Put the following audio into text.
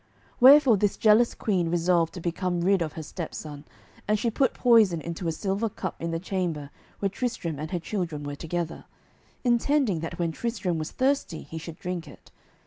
Wherefore this jealous queen resolved to become rid of her stepson, and she put poison into a silver cup in the chamber where Tristram and her children were together, intending that when Tristram was thirsty he should drink it.